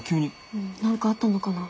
うん何かあったのかな。